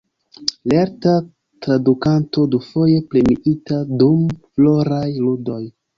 Lerta tradukanto, dufoje premiita dum Floraj Ludoj.